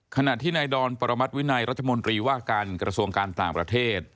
ขณะที่นายดอนปรมัติวินัยรัฐมนตรีว่าการกระทรวงการต่างประเทศ